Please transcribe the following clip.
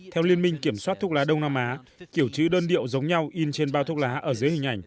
theo liên minh kiểm soát thuốc lá đông nam á kiểu chữ đơn điệu giống nhau in trên bao thuốc lá ở dưới hình ảnh